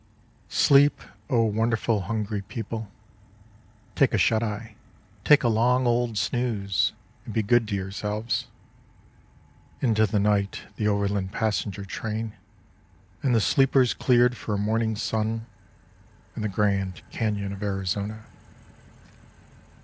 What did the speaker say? Sleep, O wonderful hungry people. Take a shut eye, take a long old snooze, and be good to yourselves; Into the night the overland passenger train And the sleepers cleared for a morning sun and the Grand Canyon of Arizona.